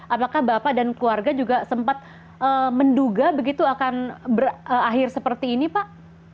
apakah bapak dan keluarga juga sempat menduga begitu akan berakhir seperti ini pak